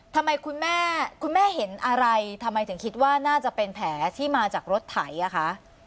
ทำไมคุณแม่คุณแม่เห็นอะไรทำไมถึงคิดว่าน่าจะเป็นแผลที่มาจากรถไถอ่ะคะ